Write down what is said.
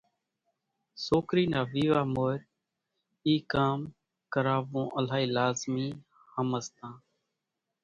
سوڪرِي نا ويوا مورِ اِي ڪام ڪراوون الائِي لازمِي ۿمزتان۔